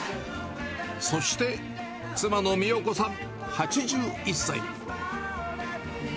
そして妻の美代子さん８１歳。